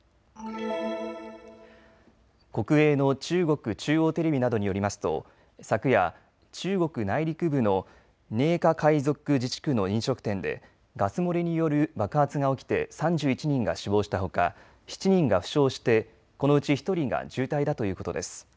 国営の中国中央テレビなどによりますと昨夜、中国内陸部の寧夏回族自治区の飲食店でガス漏れによる爆発が起きて３１人が死亡したほか７人が負傷してこのうち１人が重体だということです。